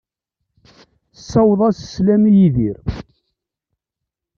Ssawaḍ-as sslam i Yidir.